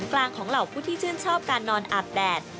กลางของเหล่าผู้ที่ชื่นชอบการนอนอาบแดด